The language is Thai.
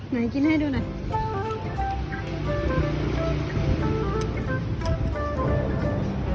หน่อยกินให้ดูหน่อย